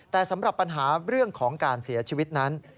แต่สำหรับปัญหาเรื่องของการเสียชีวิตนั้น